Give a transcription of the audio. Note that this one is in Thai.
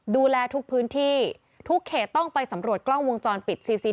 ดูแลทุกพื้นที่ทุกเขตต้องไปสำรวจกล้องวงจรปิดซีซี